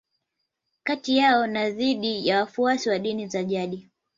Kati yao na dhidi ya wafuasi wa dini za jadi